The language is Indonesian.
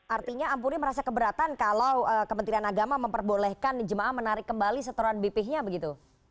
artinya ampuni merasa keberatan kalau kementerian agama memperbolehkan jemaah menarik kembali setoran bph nya begitu